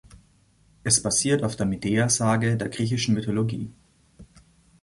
Es basiert auf der Medea-Sage der griechischen Mythologie.